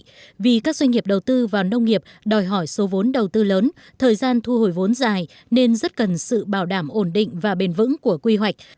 vì các doanh nghiệp đầu tư vào nông nghiệp đòi hỏi số vốn đầu tư lớn thời gian thu hồi vốn dài nên rất cần sự bảo đảm ổn định và bền vững của quy hoạch